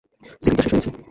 Cylinder শেষ হয়ে গেছে?